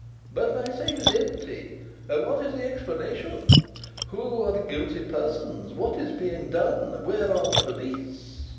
But my safe is empty! What is the explanation? Who are the guilty persons? What is being done? Where are the police?"